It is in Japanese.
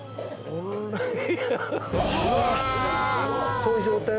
そういう状態を。